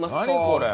これ！